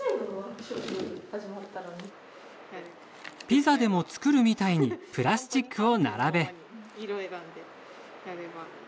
ピザでも作るみたいにプラスチックを並べ。